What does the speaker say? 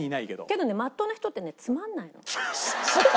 けどねまっとうな人ってねつまんないの。ハハハハ！